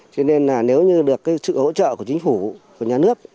cho nên nếu như được sự hỗ trợ của chính phủ của nhà nước